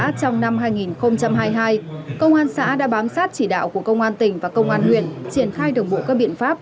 trong năm hai nghìn hai mươi hai công an xã đã bám sát chỉ đạo của công an tỉnh và công an huyện triển khai đồng bộ các biện pháp